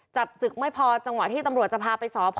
จับศึกไม่พอจังหวะที่ตำรวจจะพาไปสพ